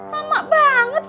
lama banget sih